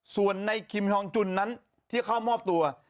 ส่วนในคิมทองจุนนั้นที่เข้ามอบตัว